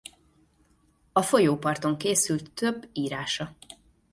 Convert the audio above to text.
A folyóparton készült több írása.